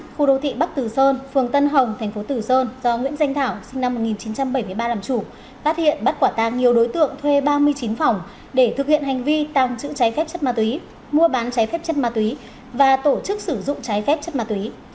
khu đô thị bắc từ sơn phường tân hồng thành phố tử sơn do nguyễn danh thảo sinh năm một nghìn chín trăm bảy mươi ba làm chủ phát hiện bắt quả tàng nhiều đối tượng thuê ba mươi chín phòng để thực hiện hành vi tàng trữ trái phép chất ma túy mua bán trái phép chất ma túy và tổ chức sử dụng trái phép chất ma túy